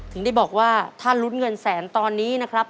ถึงได้บอกว่าถ้าลุ้นเงินแสนตอนนี้นะครับ